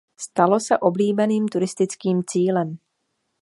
Stalo se oblíbeným turistickým cílem.